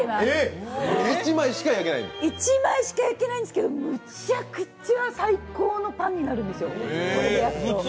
１枚しか焼けないんですけど、むちゃくちゃ最高のパンになるんです。